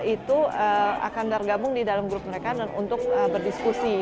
itu akan tergabung di dalam grup mereka untuk berdiskusi